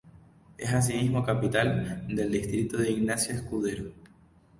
Es asimismo capital del distrito de Ignacio Escudero.